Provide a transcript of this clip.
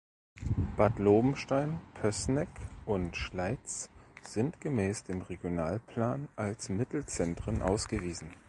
Bad Lobenstein, Pößneck und Schleiz sind gemäß dem Regionalplan als Mittelzentren ausgewiesen.